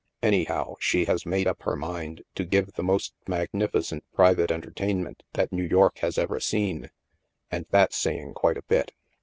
Anyhow, she has made up her mind to give the most magnificent private enter tainment that New York has ever seen — and that's saying quite a bit.